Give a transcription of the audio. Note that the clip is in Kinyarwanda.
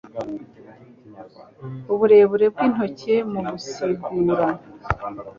Uburebure bw'intoke mu gusigura